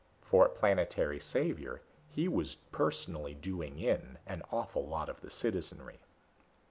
For a planetary savior, he was personally doing in an awful lot of the citizenry.